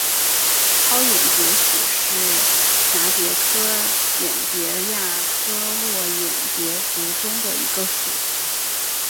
泡眼蝶属是蛱蝶科眼蝶亚科络眼蝶族中的一个属。